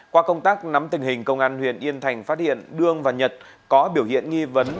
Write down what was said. qua công tác nắm tình hình công an huyện yên thành phát hiện đương và nhật có biểu hiện nghi vấn